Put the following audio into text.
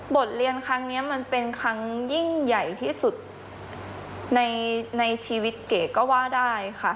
บทเรียนครั้งนี้มันเป็นครั้งยิ่งใหญ่ที่สุดในชีวิตเก๋ก็ว่าได้ค่ะ